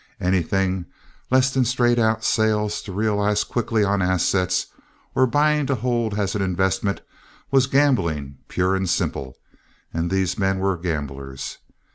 Anything less than straight out sales to realize quickly on assets, or buying to hold as an investment, was gambling pure and simple, and these men were gamblers.